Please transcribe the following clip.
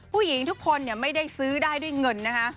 ผู้หญิงทุกคนไม่ได้ซื้อได้ด้วยเงินนะคะ